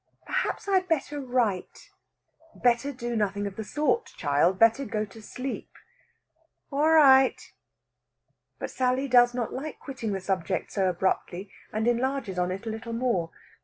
"Perhaps I'd better write...." "Better do nothing of the sort, child. Better go to sleep...." "All right." But Sally does not like quitting the subject so abruptly, and enlarges on it a little more.